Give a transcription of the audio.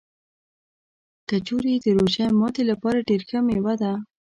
کجورې د روژه ماتي لپاره ډېره ښه مېوه ده.